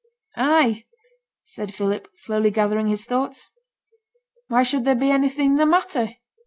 'I!' said Philip, slowly gathering his thoughts. 'Why should there be anything the matter?'